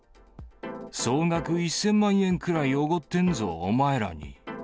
総額１０００万円くらいおごってんぞ、お前らに。